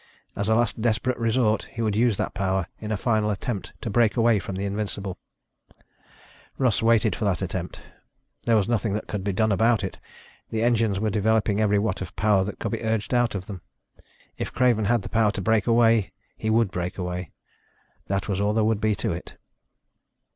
As a last desperate resort he would use that power, in a final attempt to break away from the Invincible. Russ waited for that attempt. There was nothing that could be done about it. The engines were developing every watt of power that could be urged out of them. If Craven had the power to break away, he would break away ... that was all there would be to it.